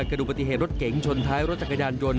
ดูปฏิเหตุรถเก๋งชนท้ายรถจักรยานยนต